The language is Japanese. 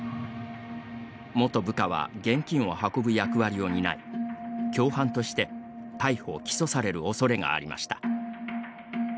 元部下は現金を運ぶ役割を担い共犯として逮捕・起訴されるおそれがありました。